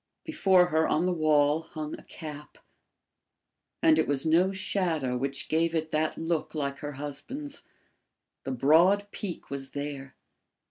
Before her on the wall hung a cap, and it was no shadow which gave it that look like her husband's; the broad peak was there.